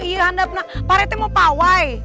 iya anda pernah pak rete mau pawai